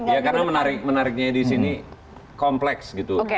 ya karena menariknya di sini kompleks gitu